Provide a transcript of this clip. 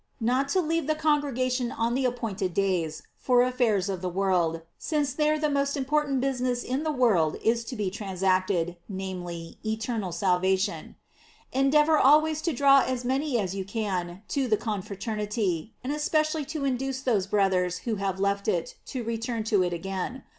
Not to leave the congregation on the appointed days, for affairs of the world, since there the most important business in the world is to be transacted, namely, eternal sal vation. Endeavor also to draw as many as you can to the confraternity, and especially to in duce those brothers who have left it to return to it again.